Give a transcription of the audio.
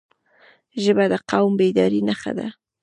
ژبه د قوم بیدارۍ نښه ده